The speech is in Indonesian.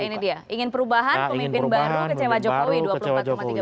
ya ini dia ingin perubahan pemimpin baru kecewa jokowi